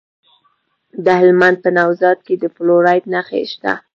د هلمند په نوزاد کې د فلورایټ نښې شته.